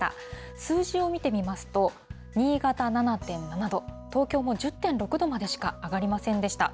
数字を見てみますと、新潟７．７度、東京も１０．６度までしか上がりませんでした。